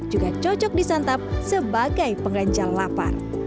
juga cocok disantap sebagai pengganjal lapar